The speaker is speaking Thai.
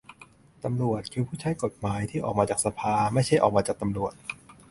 ตำรวจ คือ ผู้ใช้กฎหมาย ที่ออกมาจากสภา ไม่ใช่ออกมาจากตำรวจ